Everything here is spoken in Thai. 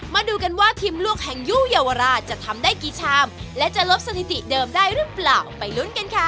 มาดูกันว่าทีมลูกแห่งยู่เยาวราชจะทำได้กี่ชามและจะลดสถิติเดิมได้หรือเปล่าไปลุ้นกันค่ะ